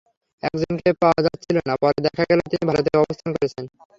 একজনকে পাওয়া যাচ্ছিল না, পরে দেখা গেল, তিনি ভারতে অবস্থান করছেন।